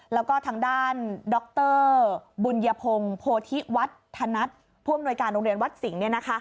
แล้วก็ทางด้านดรบุญยพงศ์โพธิวัฒนัทผู้อำนวยการโรงเรียนวัดสิงห์